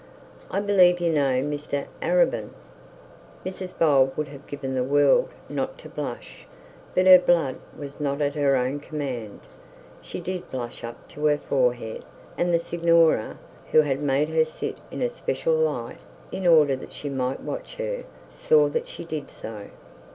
'I believe you know Mr Arabin?' Mrs Bold would have given the world not to blush, but her blood was not at her own command. She did blush up to her forehead, and the signora, who had made her sit in a special light in order that she might watch her, saw that she did so.